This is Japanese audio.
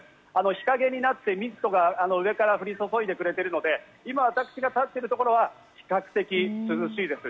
日陰になって、ミストが上から降り注いでくれているので、今、私が立っているところは比較的涼しいです。